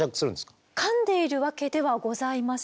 かんでいるわけではございません。